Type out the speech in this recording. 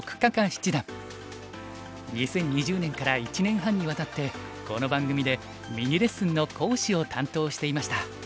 ２０２０年から１年半にわたってこの番組でミニレッスンの講師を担当していました。